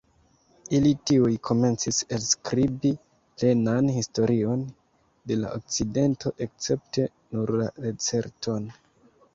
Ili tuj komencis elskribi plenan historion de la akcidento, escepte nur la Lacerton.